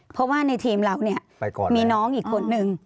เพราะว่าในทีมเราเนี่ยมีน้องอีกคนนึง